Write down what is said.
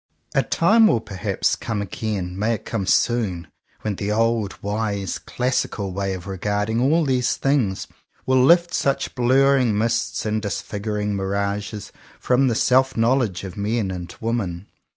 A time will perhaps come again — may it come soon! — when the old, wise, classical way of regarding all these things, will lift such blurring mists and disfiguring mirages from the self knowledge of men and women.